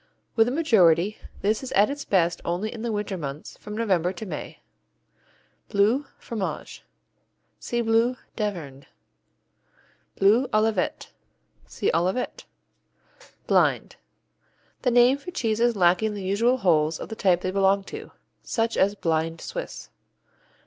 With the majority, this is at its best only in the winter months, from November to May. Bleu, Fromage see Bleu d'Auvergne. Bleu Olivet see Olivet. Blind The name for cheeses lacking the usual holes of the type they belong to, such as blind Swiss.